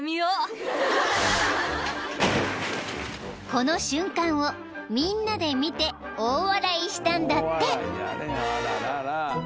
［この瞬間をみんなで見て大笑いしたんだって］